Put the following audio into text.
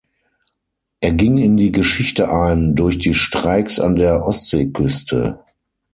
Er ging in die Geschichte ein durch die Streiks an der Ostseeküste.